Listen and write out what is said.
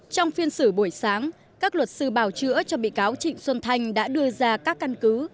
trong phiên xử buổi sáng các luật sư bào chữa cho bị cáo trịnh xuân thanh đã đưa ra các căn cứ